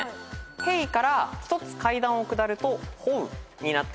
「兵」から１つ階段を下ると「法」になっています。